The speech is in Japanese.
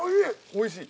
おいしい？